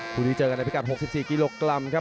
คู่นี้เจอกันในพิกัด๖๔กิโลกรัมครับ